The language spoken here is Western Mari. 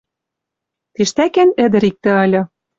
«Тиштӓкен ӹдӹр иктӹ ыльы.